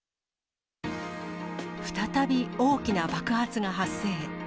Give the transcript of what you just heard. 再び大きな爆発が発生。